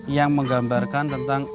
yang menggambarkan tentang